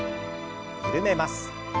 緩めます。